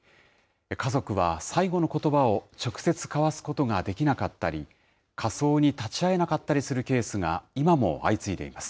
家族は最期のことばを直接交わすことができなかったり、火葬に立ち会えなかったりするケースが今も相次いでいます。